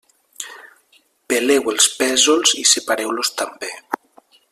Peleu els pèsols i separeu-los també.